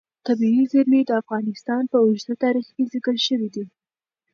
طبیعي زیرمې د افغانستان په اوږده تاریخ کې ذکر شوی دی.